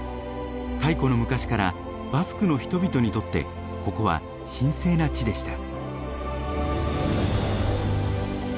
太古の昔からバスクの人々にとってここは神聖な地でした。